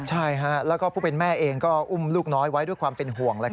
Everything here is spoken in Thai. ใช่แล้วก็ผู้เป็นแม่เองก็อุ้มลูกน้อยไว้ด้วยความเป็นห่วง